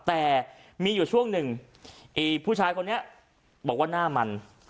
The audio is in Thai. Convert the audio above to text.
แต่มีอยู่ช่วงหนึ่งไอ้ผู้ชายคนนี้บอกว่าหน้ามัน